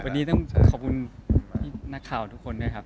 วันนี้ต้องขอบคุณพี่นักข่าวทุกคนด้วยครับ